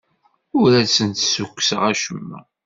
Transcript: Ur as-d-ssukkseɣ acemma.